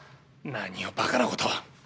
何をバカなこと。